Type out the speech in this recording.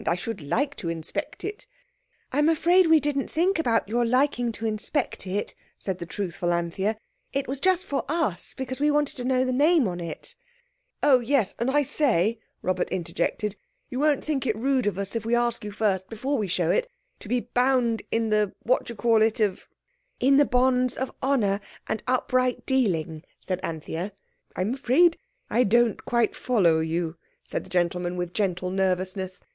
I should like to inspect it." "I'm afraid we didn't think about your liking to inspect it," said the truthful Anthea. "It was just for us—because we wanted to know the name on it—" "Oh, yes—and, I say," Robert interjected, "you won't think it rude of us if we ask you first, before we show it, to be bound in the what do you call it of—" "In the bonds of honour and upright dealing," said Anthea. "I'm afraid I don't quite follow you," said the gentleman, with gentle nervousness.